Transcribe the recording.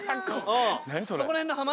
ここら辺の浜？